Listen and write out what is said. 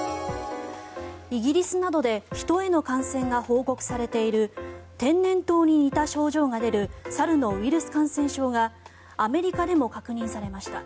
イギリスなどで人への感染が報告されている天然痘に似た症状が出る猿のウイルス感染症がアメリカでも確認されました。